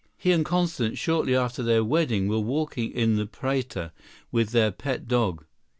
He and Constance, shortly after their wedding, were walking in the Prater with their pet dog.